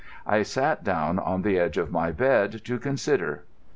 I sat down on the edge of my bed to consider.